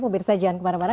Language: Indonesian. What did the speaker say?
pemirsa jangan kemana mana